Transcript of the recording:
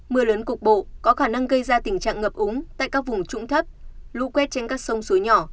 mưa lớn cục bộ có khả năng gây ra tình trạng ngập úng tại các vùng trũng thấp lũ quét trên các sông suối nhỏ